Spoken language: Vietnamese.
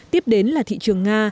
tiếp đến là thị trường nga